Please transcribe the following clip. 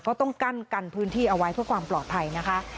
ก็ต้องกั้นกันพื้นที่เอาไว้เพื่อความปลอดภัยนะคะ